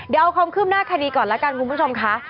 เดี๋ยวเอาความคืบหน้าคดีก่อนแล้วกันคุณผู้ชมค่ะ